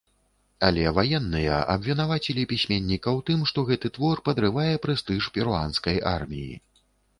Але ваенныя абвінавацілі пісьменніка ў тым, што гэты твор падрывае прэстыж перуанскай арміі.